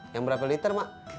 yang berapa liter mak